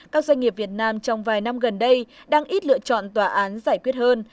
các doanh nghiệp việt nam trong vài năm gần đây đang ít lựa chọn tòa án giải quyết hơn